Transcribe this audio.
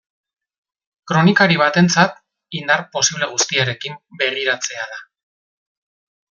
Kronikari batentzat, indar posible guztiarekin begiratzea da.